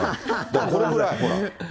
これぐらい、ほら。